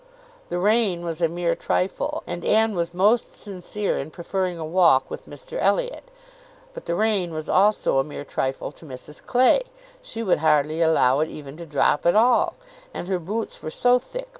The rain was a mere trifle, and Anne was most sincere in preferring a walk with Mr Elliot. But the rain was also a mere trifle to Mrs Clay; she would hardly allow it even to drop at all, and her boots were so thick!